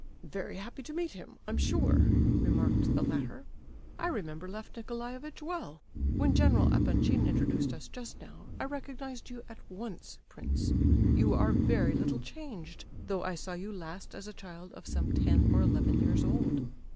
"Very happy to meet him, I'm sure," remarked the latter. "I remember Lef Nicolaievitch well. When General Epanchin introduced us just now, I recognized you at once, prince. You are very little changed, though I saw you last as a child of some ten or eleven years old.